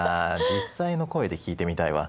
実際の声で聞いてみたいわ。